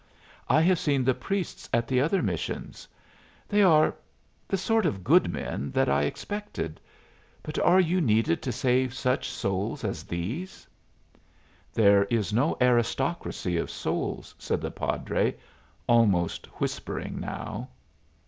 I have seen the priests at the other missions They are the sort of good men that I expected. But are you needed to save such souls as these?" "There is no aristocracy of souls," said the padre, almost whispering now.